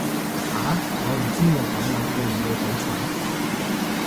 啊，我唔知我咁諗會唔會好蠢